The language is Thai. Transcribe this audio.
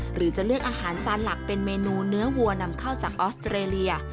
หรือจะเลือกอาหารจานหลักเป็นเมนูเนื้อวัวนำเข้าจากออสเตรเลีย